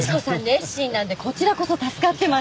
熱心なんでこちらこそ助かってます。